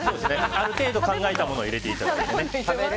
ある程度考えたものを入れていただいてね。